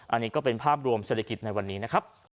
อันนี้ก็เป็นภาพรวมเศรษฐกิจในวันนี้นะครับ